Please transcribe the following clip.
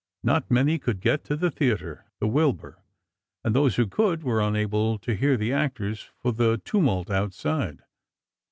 Not many could get to the theatre, the Wilbur, and those who could, were unable to hear the actors for the tumult outside.